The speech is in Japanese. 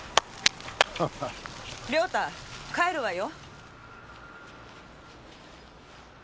良太帰るわよ。